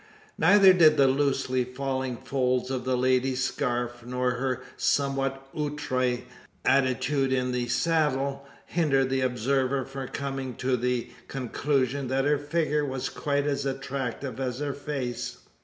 Neither did the loosely falling folds of the lady's scarf, nor her somewhat outre attitude in the saddle, hinder the observer from coming to the conclusion, that her figure was quite as attractive as her face.